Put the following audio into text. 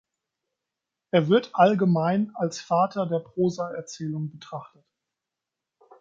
Er wird allgemein als Vater der Prosa-Erzählung betrachtet.